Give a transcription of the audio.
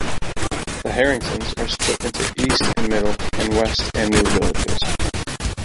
"The Herringtons" are split into "East and Middle" and "West" and "New" villages.